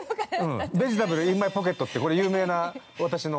ベジタブルインマイポケットって、これ、有名な、私の。